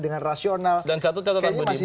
dengan rasional dan satu catatan begini